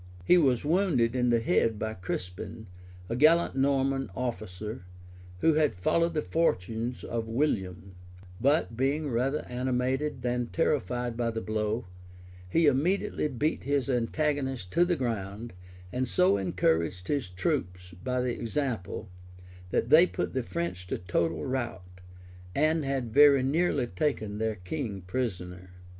He was wounded in the head by Crispin, a gallant Norman officer, who had followed the fortunes of William;[*] but being rather animated than terrified by the blow, he immediately beat his antagonist to the ground, and so encouraged his troops by the example, that they put the French to total rout, and had very nearly taken their king prisoner.